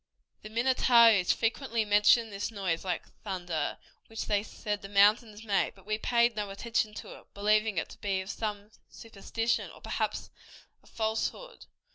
The Minnetarees frequently mentioned this noise like thunder, which they said the mountains made; but we paid no attention to it, believing it to have been some superstition, or perhaps a falsehood.